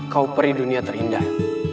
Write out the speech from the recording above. kau peri dunia terindah